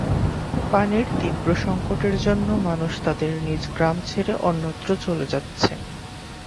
পানির তীব্র সংকটের জন্য মানুষ তাদের নিজ গ্রাম ছেড়ে অন্যত্র চলে যাচ্ছে।